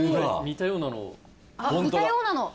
似たようなの？